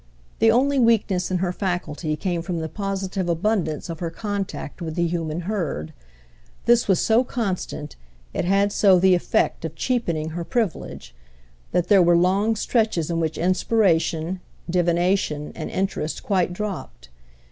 The only weakness in her faculty came from the positive abundance of her contact with the human herd; this was so constant, it had so the effect of cheapening her privilege, that there were long stretches in which inspiration, divination and interest quite dropped.